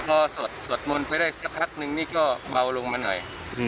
พอสวดมนต์ไปได้สักพักนึงนี่ก็เบาลงมาหน่อย